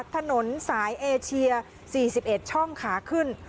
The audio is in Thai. ถนนสายเอเชีย๔๑ช่องขาขึ้น